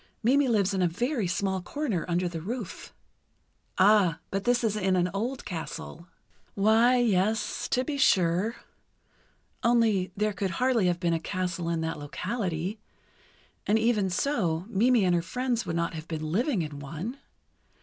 Mimi lives in a very small corner under the roof." "Ah, but this is in an old castle." "Why, yes, to be sure—only, there could hardly have been a castle in that locality, and even so, Mimi and her friends would not have been living in one.